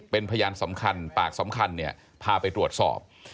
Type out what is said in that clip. เป็นพยานสำคัญปากสำคัญเนี่ยพาไปตรวจสอบ